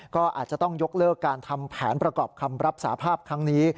ก็อาจจะต้องยกเลิกการทำแผนประกอบคำรับสาภาพครั้งนี้